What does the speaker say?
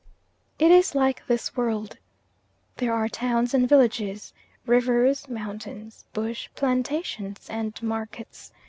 It is like this world. There are towns and villages, rivers, mountains, bush, plantations, and markets.